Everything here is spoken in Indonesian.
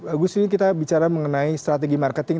agus ini kita bicara mengenai strategi marketing